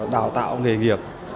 đào tạo nghề nghiệp